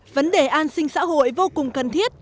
vấn đề an sinh xã hội vô cùng cần thiết